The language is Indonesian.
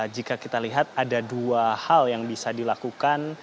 jika kita lihat ada dua hal yang bisa dilakukan